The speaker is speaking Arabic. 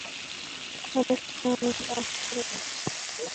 قد قلقنا من تأخركم